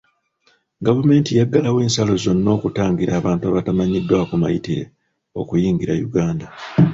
Gavumenti yaggalawo ensalo zonna okutangira abantu abatamanyiddwako mayitire okuyingira Uganda.